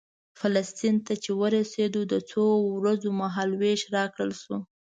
فلسطین ته چې ورسېدو د څو ورځو مهال وېش راکړل شو.